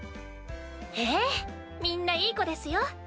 ええみんないい子ですよ。